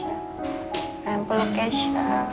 kayak mpela kece